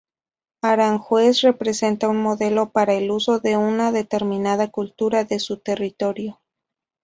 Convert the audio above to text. Aranjuez representa un modelo para el uso de una determinada cultura de su territorio.